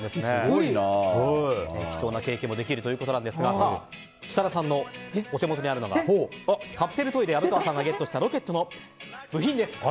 貴重な経験もできるということですが設楽さんのお手元にあるのがカプセルトイで虻川さんがゲットしたロケットの部品です。